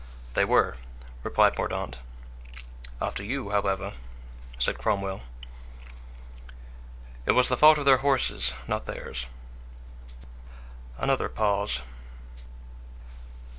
"They were," replied Mordaunt. "After you, however," said Cromwell. "It was the fault of their horses, not theirs." Another pause.